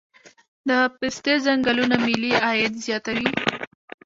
د پستې ځنګلونه ملي عاید زیاتوي.